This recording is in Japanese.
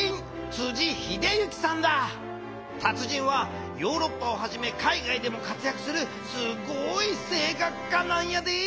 達人はヨーロッパをはじめ海外でも活やくするすごい声楽家なんやで！